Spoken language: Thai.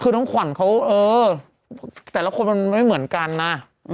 คือน้องขวัญเขาเออแต่ละคนมันไม่เหมือนกันนะ